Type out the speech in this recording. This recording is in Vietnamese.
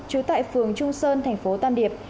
trú tại phường trung sơn tp tam điệp